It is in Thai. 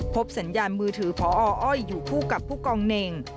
สัญญาณมือถือพออ้อยอยู่คู่กับผู้กองเน่ง